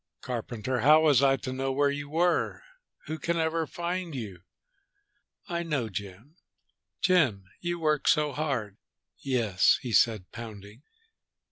"Carpenter, how was I to know where you were? Who can ever find you?" "I know Jim. Jim, you work so hard!" "Yes!" he said, pounding.